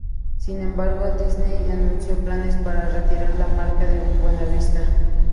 Sin embargo Disney anunció planes para retirar la marca de Buena Vista.